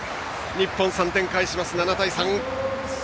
日本、３点返して７対３。